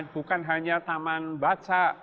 bukan hanya taman baca